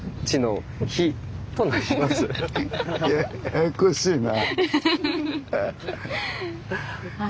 ややこしいな。